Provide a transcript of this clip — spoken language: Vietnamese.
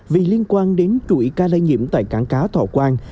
vì liên quan đến chuỗi ca lây nhiễm tại cảng cá thọ quang